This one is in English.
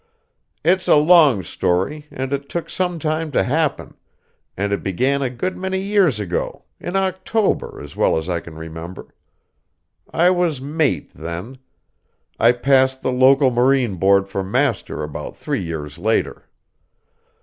It's a long story, and it took some time to happen; and it began a good many years ago, in October, as well as I can remember. I was mate then; I passed the local Marine Board for master about three years later.